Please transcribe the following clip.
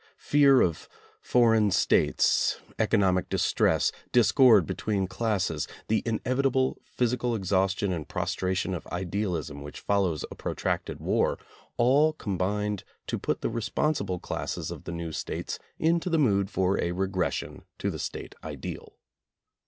Fear of foreign States, economic distress, discord between classes, the in evitable physical exhaustion and prostration of idealism which follows a protracted war — all com bined to put the responsible classes of the new States into the mood for a regression to the State ideal.